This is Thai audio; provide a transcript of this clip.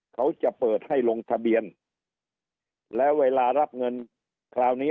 เขาจะเปิดให้ลงทะเบียนแล้วเวลารับเงินคราวนี้